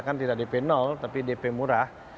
kan tidak dp tapi dp murah